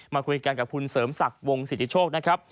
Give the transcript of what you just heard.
มาคุยกันกับคุณเสริมสักวงศิรษฐรีโชคนะครับ